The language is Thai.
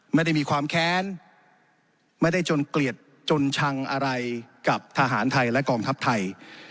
ไม่ได้มีความแค้นไม่ได้จนเกลียดจนชังอะไรกับทหารไทยและกองทัพไทย